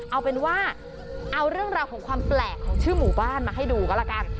เอาเป็นว่าเอาเรื่องราวของความแปลกของชื่อหมู่บ้านมาให้ดูก็แล้วกัน